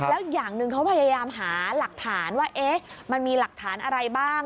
แล้วอย่างหนึ่งเขาพยายามหาหลักฐานว่ามันมีหลักฐานอะไรบ้าง